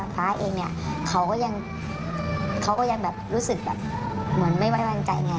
แต่เดี๋ยวสักพักนึงเดี๋ยวพี่จะให้